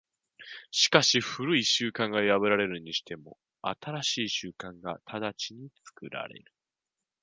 しかし旧い習慣が破られるにしても、新しい習慣が直ちに作られる。